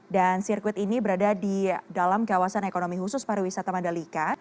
dan sirkuit ini berada di dalam kawasan ekonomi khusus para wisata mandalika